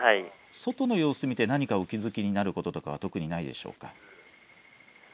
外の様子を見て何かお気付きになることは特にないでしょうか。